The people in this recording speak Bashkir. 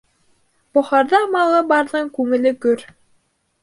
Бохарҙа малы барҙың күңеле көр.